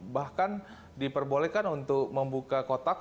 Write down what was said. bahkan diperbolehkan untuk membuka kotak